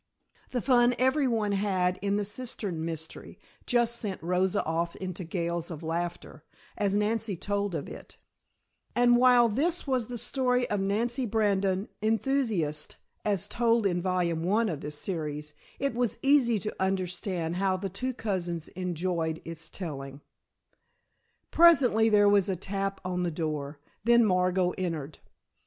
The fun every one had in the cistern mystery just sent Rosa off into gales of laughter as Nancy told of it, and while this was the story of Nancy Brandon: Enthusiast, as told in volume one of this series, it was easy to understand how the two cousins enjoyed its telling. Presently there was a tap at the door, then Margot entered.